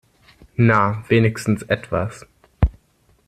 Na, wenigstens etwas.